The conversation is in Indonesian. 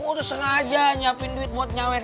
udah sengaja nyiapin duit buat nyawer